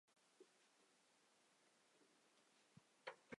这份宣言被看作是对法国大革命的宣战书。